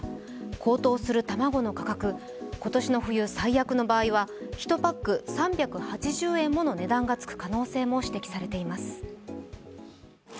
高騰する卵の価格、今年の冬、最悪の場合は１パック３８０円もの値段がつく可能性も指摘されています。